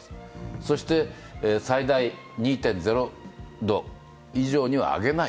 そして最大２．０度以上には上げない。